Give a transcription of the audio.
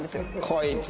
こいつ！